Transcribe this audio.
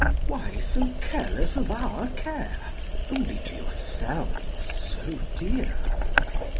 Why so careless of our care, Only to yourselves so dear?